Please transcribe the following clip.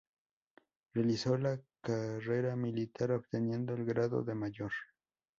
Realizó la carrera militar obteniendo el grado de Mayor.